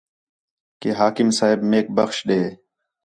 کہ حاکم صاحب میک بخش ݙے